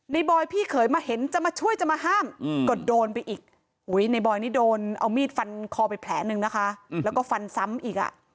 บอยพี่เขยมาเห็นจะมาช่วยจะมาห้ามก็โดนไปอีกในบอยนี่โดนเอามีดฟันคอไปแผลหนึ่งนะคะแล้วก็ฟันซ้ำอีกอ่ะ